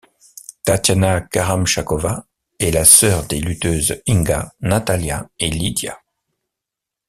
Tatiana Karamtshakova est la sœur des lutteuses Inga, Natalia, et Lidia.